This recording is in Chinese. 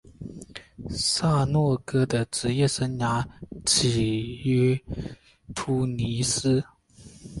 萨诺戈的职业生涯始于突尼斯。